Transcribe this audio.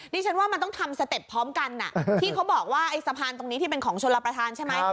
ดิฉันว่ามันต้องทำสเต็ปพร้อมกันที่เขาบอกว่าไอ้สะพานตรงนี้ที่เป็นของชนรับประทานใช่ไหม